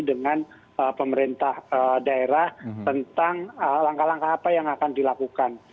dengan pemerintah daerah tentang langkah langkah apa yang akan dilakukan